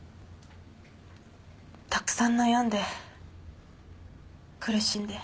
たくさん悩んで苦しんで。